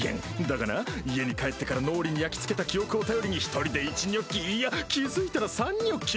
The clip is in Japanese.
だがな家に帰ってから脳裏に焼き付けた記憶を頼りに一人で１ニョッキいや気付いたら３ニョッキまで。